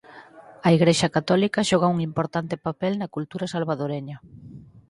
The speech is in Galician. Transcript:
A Igrexa católica xoga un importante papel na cultura salvadoreña.